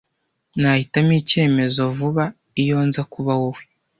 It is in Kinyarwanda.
Nahitamo icyemezo vuba iyo nza kuba wowe.